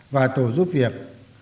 và tổ giúp việc